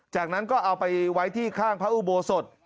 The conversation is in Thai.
จากนั้นก็เอาไปไว้ที่ข้างพระอุโบสถ